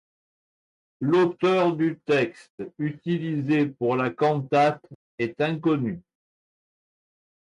L'auteur du texte utilisé pour la cantate est inconnu.